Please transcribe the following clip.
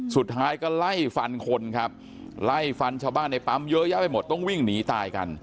สุดท้ายก็ไล่ฟันคนครับไล่ฟันชาวบ้านในปั๊มเยอะแยะไปหมดต้องวิ่งหนีตายกัน